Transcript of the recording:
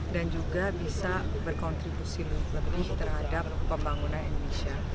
dan juga bisa berkontribusi lebih terhadap pembangunan indonesia